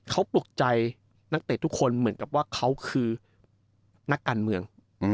เขาปลุกใจนักเตะทุกคนเหมือนกับว่าเขาคือนักการเมือง